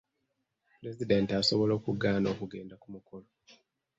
pulezidenti asobola okugaana okugenda ku mukolo.